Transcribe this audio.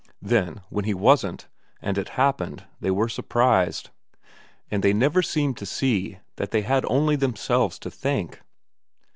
Then, when he wasn't, and it happened, they were surprised ; and they never seemed to see that they had only themselves to thank.